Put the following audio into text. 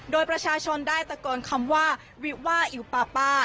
โดยประชาชนได้ตะโกนคำว่าวิว่าอิ๋วปาป้า